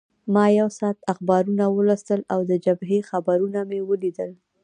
ما یو ساعت اخبارونه ولوستل او د جبهې خبرونه مې ولیدل.